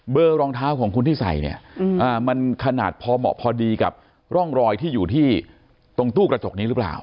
รองเท้าของคุณที่ใส่เนี่ยมันขนาดพอเหมาะพอดีกับร่องรอยที่อยู่ที่ตรงตู้กระจกนี้หรือเปล่า